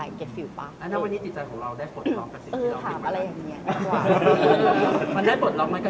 แล้ววันนี้จิตใจของเราได้ปลดล๊อคกับสิ่งที่เราเก็บมานานกว่า